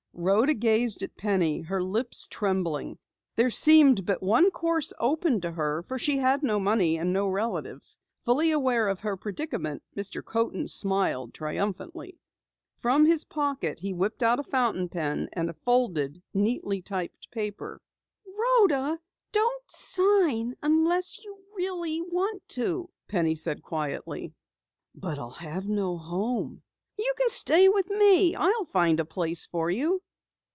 Rhoda gazed at Penny, her lips trembling. There seemed but one course open to her, for she had no money and no relatives. Fully aware of her predicament, Mr. Coaten smiled triumphantly. From his pocket he whipped out a fountain pen and a folded, neatly typed paper. "Rhoda, don't sign unless you really wish to," Penny said quietly. "But I'll have no home " "You may stay with me. I'll find a place for you."